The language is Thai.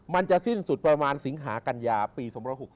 มันจะสิ้นสุดประมาณสิงหากัญญาปี๒๖๔